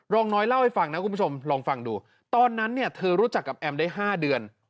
น้อยเล่าให้ฟังนะคุณผู้ชมลองฟังดูตอนนั้นเนี่ยเธอรู้จักกับแอมได้๕เดือน